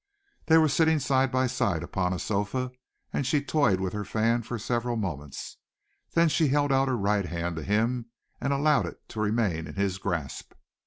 They were sitting side by side upon a sofa, and she toyed with her fan for several moments. Then she held out her right hand to him, and allowed it to remain in his grasp.